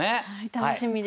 楽しみです。